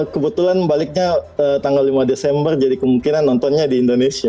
kebetulan baliknya tanggal lima desember jadi kemungkinan nontonnya di indonesia